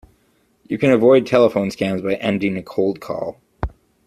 You can avoid telephone scams by ending a cold call.